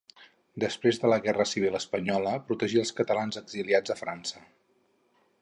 Després de la guerra civil espanyola protegí els catalans exiliats a França.